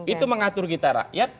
itu mengatur kita rakyat